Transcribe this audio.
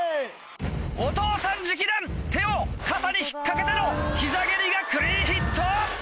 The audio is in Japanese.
お父さん直伝手を肩に引っかけての膝蹴りがクリーンヒット！